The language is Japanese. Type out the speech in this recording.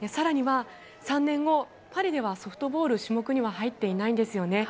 更に３年後、パリではソフトボール種目に入っていないんですね。